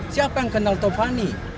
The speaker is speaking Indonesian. siapa yang kenal tovani